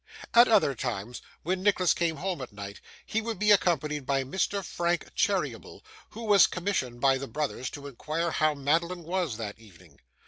At other times, when Nicholas came home at night, he would be accompanied by Mr. Frank Cheeryble, who was commissioned by the brothers to inquire how Madeline was that evening.